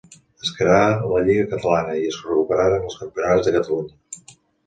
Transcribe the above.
Es creà la Lliga Catalana i es recuperaren els Campionats de Catalunya.